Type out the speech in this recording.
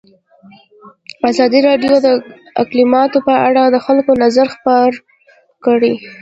ازادي راډیو د اقلیتونه په اړه د خلکو نظرونه خپاره کړي.